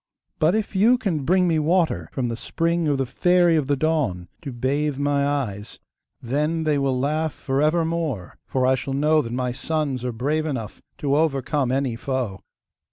But if you can bring me water from the spring of the Fairy of the Dawn, to bathe my eyes, then they will laugh for evermore; for I shall know that my sons are brave enough to overcome any foe.